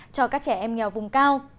cho các trẻ em nghèo vùng cao